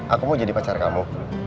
aku mau jadi pacar kamu